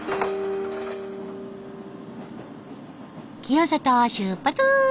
清里を出発！